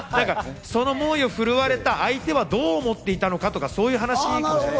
その猛威を振るわれた相手はどう思っていたのか？とか、そういう話。